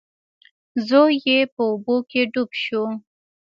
زوی یې په اوبو کې ډوب شو.